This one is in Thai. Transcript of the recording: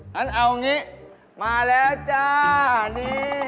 งั้นเอางี้มาแล้วจ้านี่